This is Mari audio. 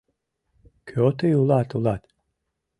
— Кӧ тый улат-улат?